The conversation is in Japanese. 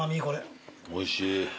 おいしい。